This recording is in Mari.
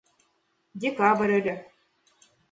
Декабрь ыле.